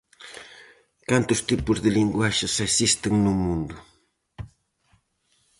Cantos tipos de linguaxes existen no mundo?